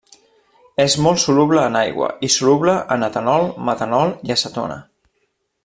És molt soluble en aigua i soluble en etanol, metanol i acetona.